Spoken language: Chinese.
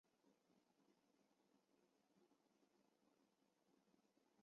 从源头就出了问题